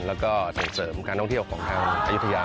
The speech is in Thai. แล้วก็ส่งเสริมการท่องเที่ยวของทางอายุทยา